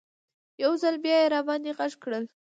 یو ځل بیا یې راباندې غږ کړل.